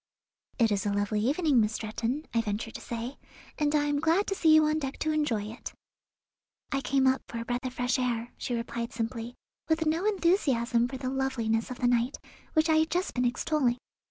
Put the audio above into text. "It is a lovely evening, Miss Stretton," I ventured to say, "and I am glad to see you on deck to enjoy it." "I came up for a breath of fresh air," she replied simply, with no enthusiasm for the loveliness of the night, which I had just been extolling.